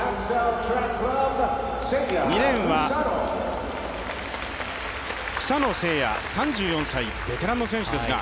２レーンは草野誓也３４歳、ベテランの選手ですが。